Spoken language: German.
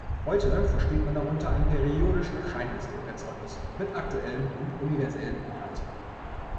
Heute versteht man darunter ein periodisch erscheinendes Druckerzeugnis mit aktuellem und universellem Inhalt.